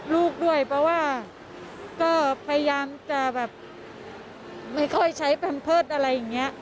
ลูกด้วยเพราะว่าก็พยายามจะแบบไม่ค่อยใช้แพมเพิร์ตอะไรอย่างนี้